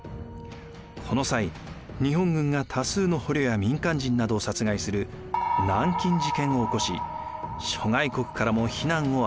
この際日本軍が多数の捕虜や民間人などを殺害する南京事件を起こし諸外国からも非難を浴びました。